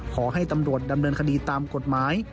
ขอให้ตำรวจดำเนินคดีตามกฎหมาย